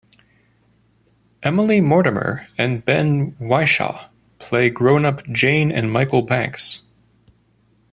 Emily Mortimer and Ben Whishaw play grown up Jane and Michael Banks.